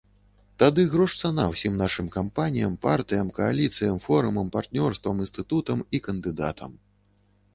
Тады грош цана ўсім нашым кампаніям, партыям, кааліцыям, форумам, партнёрствам, інстытутам і кандыдатам.